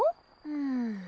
うん。